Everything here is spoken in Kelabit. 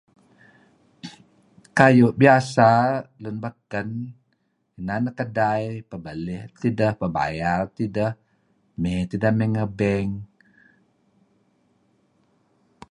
Kayu biasa ngi beken, inan kedai , ideh peh peh bayar tideh, mey tideh ngi bank .